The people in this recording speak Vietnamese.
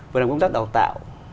vừa làm công tác đào tạo